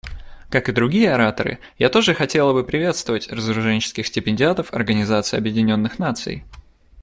Как и другие ораторы, я тоже хотела бы приветствовать разоруженческих стипендиатов Организации Объединенных Наций.